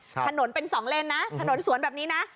ถนนเป็นสองเลนนะถนนสวนแบบนี้นะ